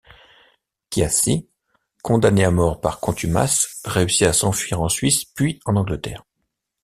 Chiassi, condamné à mort par contumace, réussit à s'enfuir en Suisse puis en Angleterre.